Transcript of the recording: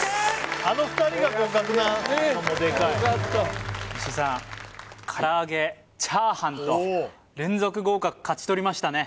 あの２人が合格なのもデカいねっよかった石井さんはいからあげチャーハンと連続合格勝ち取りましたね